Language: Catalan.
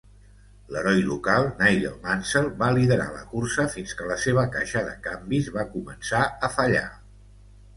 L'heroi local Nigel Mansell va liderar la cursa fins que la seva caixa de canvis va començar a fallar.